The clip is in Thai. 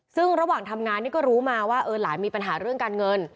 ซึ่งระหว่างทำงานนี่ก็รู้มาว่าหลานมีปัญหาเรื่องการเงิน